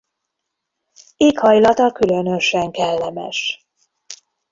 Éghajlata különösen kellemes.